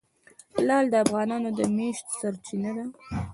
لعل د افغانانو د معیشت سرچینه ده.